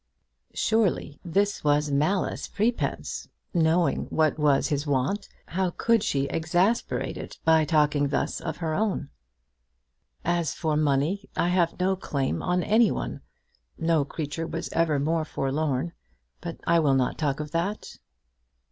Surely this was malice prepense! Knowing what was his want, how could she exasperate it by talking thus of her own? "As for money, I have no claim on any one. No creature was ever more forlorn. But I will not talk of that."